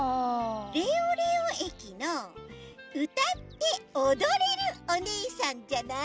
レオレオえきのうたっておどれるおねえさんじゃない？